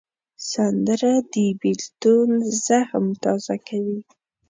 سندره د بېلتون زخم تازه کوي